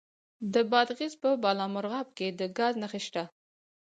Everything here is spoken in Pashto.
د بادغیس په بالامرغاب کې د ګاز نښې شته.